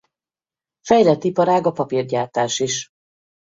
Fejlett iparág a papírgyártás is.